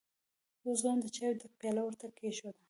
يوه ځوان د چايو ډکه پياله ور ته کېښوده.